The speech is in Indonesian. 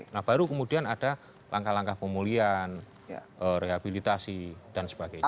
nah baru kemudian ada langkah langkah pemulihan rehabilitasi dan sebagainya